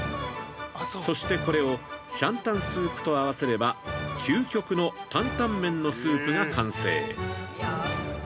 そしてこれをシャンタンスープと合わせれば、究極の担々麺のスープが完成。